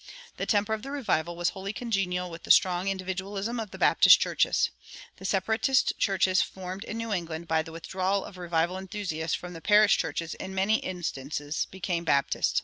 The temper of the revival was wholly congenial with the strong individualism of the Baptist churches. The Separatist churches formed in New England by the withdrawal of revival enthusiasts from the parish churches in many instances became Baptist.